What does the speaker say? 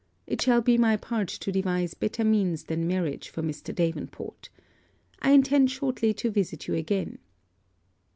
It shall be my part to devise better means than marriage for Mr. Davenport. I intend shortly to visit you again.'